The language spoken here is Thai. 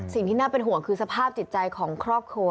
สิ่งที่น่าเป็นห่วงคือสภาพจิตใจของครอบครัว